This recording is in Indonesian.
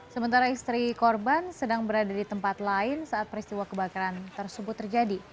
sementara istri korban sedang berada di tempat lain saat peristiwa kebakaran tersebut terjadi